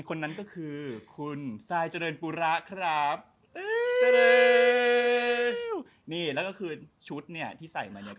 คนนั้นก็คือคุณซายเจริญปุระครับนี่แล้วก็คือชุดที่ใส่มาก็คือ